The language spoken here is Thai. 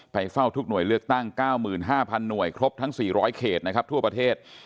เฝ้าทุกหน่วยเลือกตั้ง๙๕๐๐หน่วยครบทั้ง๔๐๐เขตนะครับทั่วประเทศ